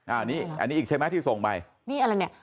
อันนี้อันนี้อีกใช่ไหมที่ส่งไปนี่อะไรเนี่ย